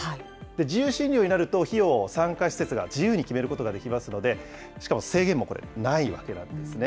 自由診療によると、費用を産科施設が自由に決めることができますので、しかも制限もないわけなんですね。